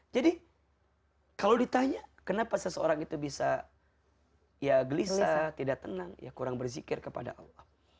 jadi kalau ditanya kenapa seseorang itu bisa gelisah tidak tenang kurang berzikir kepada allah